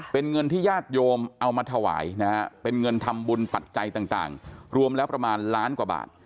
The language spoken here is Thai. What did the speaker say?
เป็นเงินที่ญาติโยมเอามาถวายนะฮะเป็นเงินทำบุญปัจจัยต่างรวมแล้วประมาณล้านกว่าบาท